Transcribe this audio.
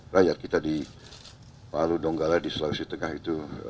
rakyat kita di palu donggala di sulawesi tengah itu